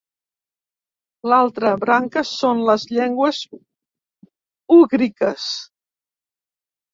L'altra branca són les Llengües úgriques.